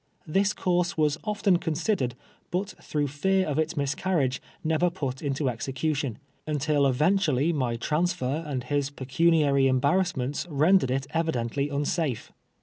This course was often considered, but through fear of its miscarriage, never put into execution, until eventually my transfer and his pecuniary embarrassments rendered it evi dently unsafe.